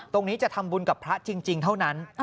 จะทำบุญกับพระจริงเท่านั้น